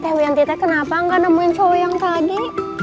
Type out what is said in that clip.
teh wiyanti teh kenapa nggak nemuin cowok yang tadi